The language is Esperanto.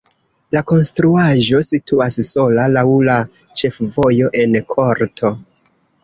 La konstruaĵo situas sola laŭ la ĉefvojo en korto.